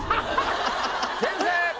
先生！